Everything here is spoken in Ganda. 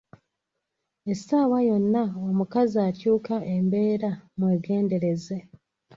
Essaawa yonna omukazi akyuka embeera mwegendereze.